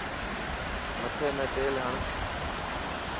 مٿي ۾ تيل هڻ.